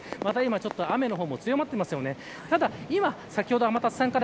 また今、雨の方も強まっていますよね。